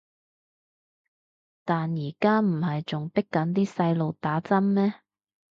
但而家唔係仲迫緊啲細路打針咩